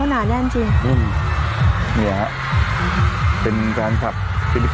น้องนี่ฮะเป็นแฟนควัปธ์